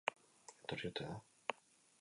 Etorri ote da?